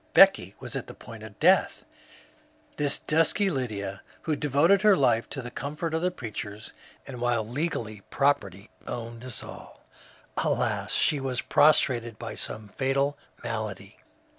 Becky was at the point of death I This dusky Lydia, who devoted her life to the comfort of the preachers, and while legally property owned us all — alas, she was prostrated by some fatal malady.